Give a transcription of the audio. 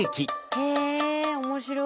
へえ面白い。